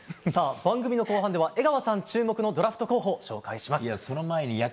番組の後半では江川さん注目のドラフト候補を紹介します。